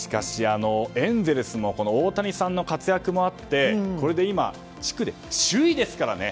エンゼルス大谷さんの活躍もあってこれで今、地区で首位ですからね。